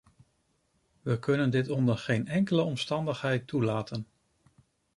We kunnen dit onder geen enkele omstandigheid toelaten.